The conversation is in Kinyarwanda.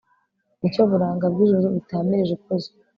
ni cyo buranga bw'ijuru ritamirije ikuzo